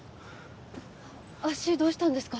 足どうしたんですか？